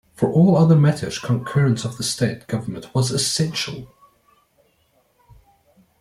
For all other matters concurrence of the State Government was essential.